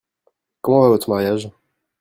Comment va votre mariage ?